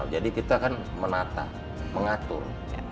jadi kita kan menata mengatur